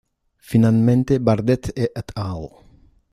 Finalmente, Bardet et al.